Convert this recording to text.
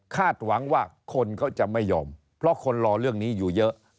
หวังว่าคนเขาจะไม่ยอมเพราะคนรอเรื่องนี้อยู่เยอะ